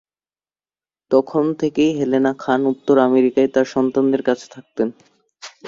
তখন থেকে হেলেনা খান উত্তর আমেরিকায় তার সন্তানদের কাছে থাকতেন।